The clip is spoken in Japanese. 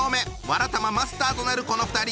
わらたまマスターとなるこの２人。